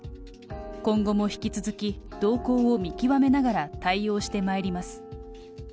今後も引き続き、動向を見極めながら対応してまいります。